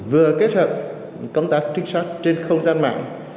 vừa kết hợp công tác trinh sát trên không gian mạng